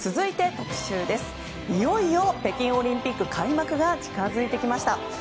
いよいよ北京オリンピック開幕が近づいてきました。